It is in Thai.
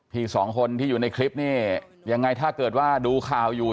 พี่สองคนที่อยู่ในคลิปนี่ยังไงถ้าเกิดว่าดูข่าวอยู่